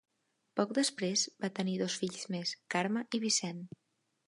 Poc després, va tenir dos fills més, Carme i Vicent.